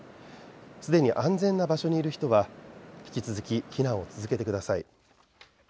すでに安全な場所にいる人は引き続き避難を続けてください。